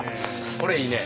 これいいね。